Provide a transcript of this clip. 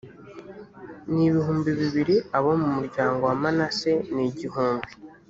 ni ibihumbi bibiri abo mu muryango wa manase ni igihumbi